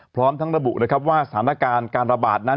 พร้อมทั้งระบุนะครับว่าสถานการณ์การระบาดนั้น